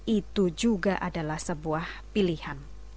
itu juga adalah sebuah pilihan